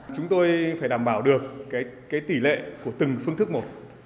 chúng tôi phải đảm bảo được tỷ lệ của từng phương thức một